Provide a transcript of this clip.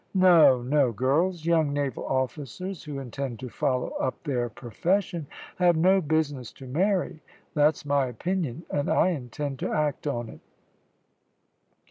No, no, girls; young naval officers who intend to follow up their profession have no business to marry; that's my opinion, and I intend to act on it."